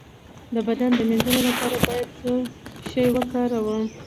د بدن د مینځلو لپاره باید څه شی وکاروم؟